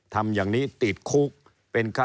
ทำอย่างนี้ติดคุก